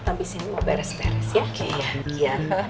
tapi sini mau beres beres ya